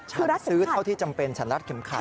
ฉันซื้อเท่าที่จำเป็นฉันรัดเข็มขัด